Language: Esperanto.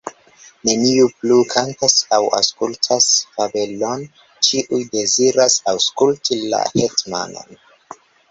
Neniu plu kantas aŭ aŭskultas fabelon, ĉiuj deziras aŭskulti la hetmanon.